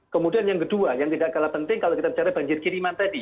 kemudian yang kedua yang tidak kalah penting kalau kita bicara banjir kiriman tadi